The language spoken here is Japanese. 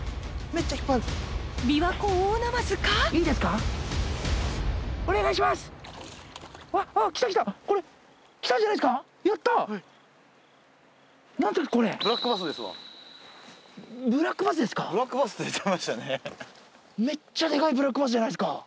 めっちゃでかいブラックバスじゃないですか！